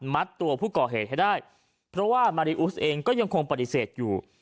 ตัวผู้ก่อเหตุให้ได้เพราะว่ามาริอุสเองก็ยังคงปฏิเสธอยู่